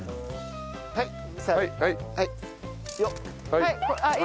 はい。